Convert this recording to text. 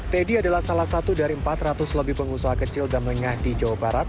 teddy adalah salah satu dari empat ratus lebih pengusaha kecil dan menengah di jawa barat